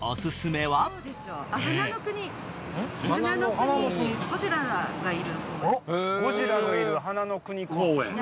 続いてゴジラのいる花の国公園。